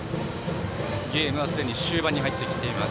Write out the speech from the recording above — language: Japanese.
ゲームはすでに終盤に入ってきています